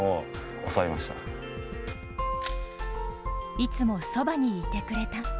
いつもそばにいてくれた。